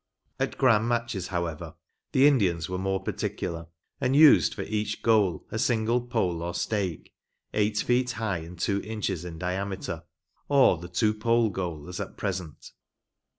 At grand matches, however, the Indians were more particular, and used for each goal a single pole or stake, eight feet high and two inches in diameter, or the two pole goal as at present.